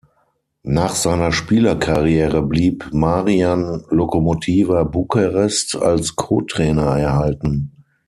Nach seiner Spielerkarriere blieb Marian Locomotiva Bukarest als Co-Trainer erhalten.